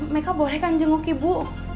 mereka boleh kan jenguk ibu